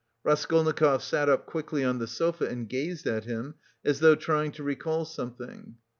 Raskolnikov sat up quickly on the sofa and gazed at him, as though trying to recall something.